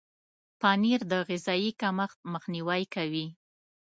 پنېر د غذایي کمښت مخنیوی کوي.